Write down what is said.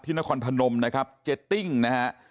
นครพนมนะครับเจตติ้งนะฮะ